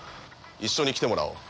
一緒に来てもらおう。